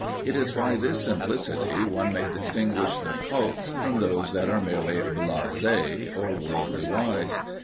It is by this simplicity one may distinguish the cult from those that are merely blasé or worldly wise.